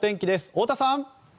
太田さん。